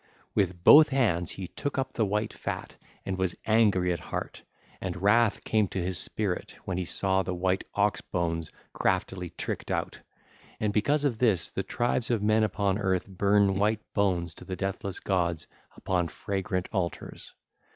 With both hands he took up the white fat and was angry at heart, and wrath came to his spirit when he saw the white ox bones craftily tricked out: and because of this the tribes of men upon earth burn white bones to the deathless gods upon fragrant altars.